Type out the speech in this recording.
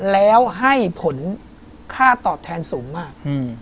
แล้วให้ผลค่าตอบแทนสูงมาก